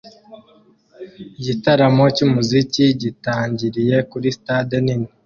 Igitaramo cyumuziki gitangiriye kuri stade nini